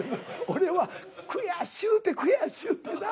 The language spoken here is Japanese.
俺は悔しゅうて悔しゅうてな。